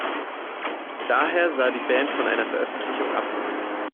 Daher sah die Band von einer Veröffentlichung ab.